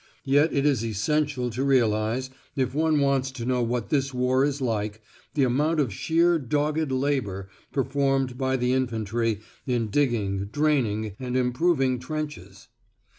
Yet it is essential to realise, if one wants to know what this war is like, the amount of sheer dogged labour performed by the infantry in digging, draining, and improving trenches.